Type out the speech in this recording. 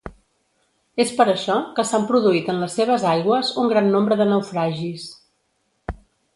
És per això que s'han produït en les seves aigües un gran nombre de naufragis.